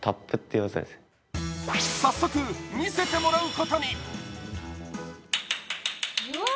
早速、見せてもらうことに。